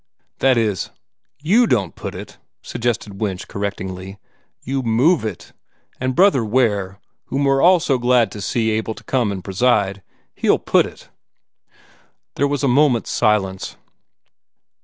"That is, YOU don't put it," suggested Winch, correctingly. "You move it, and Brother Ware, whom we're all so glad to see able to come and preside he'll put it." There was a moment's silence.